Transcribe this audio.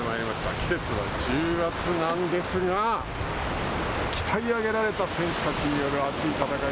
季節は１０月ですが鍛え上げられた選手たちによる熱い戦い